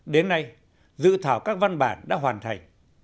đến nay dự thảo các văn bản đã hoàn thành